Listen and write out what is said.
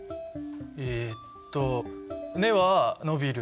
えっと根は伸びる。